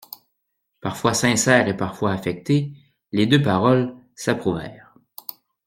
Parfois sincères et parfois affectées, les deux paroles s'approuvèrent.